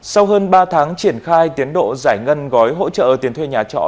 sau hơn ba tháng triển khai tiến độ giải ngân gói hỗ trợ tiền thuê nhà trọ